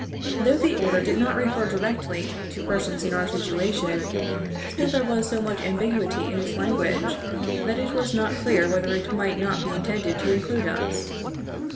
Though the order did not refer directly to persons in our situation, still there was so much ambiguity in its language that it was not clear whether it might not be intended to include us.